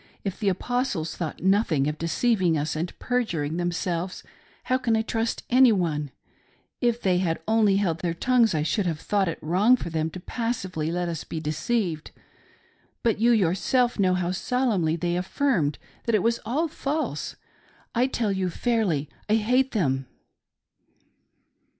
" If the Aposdes thought nothing of deceiv ing us and perjuring themselves, how can I trust any one ? If they had only held their tongues, I sho^d have thought it wrong for them to passively let us be deceived ; but you yourself know how solemnly they affirmed that it was all false. I tell you fairly, I hate them."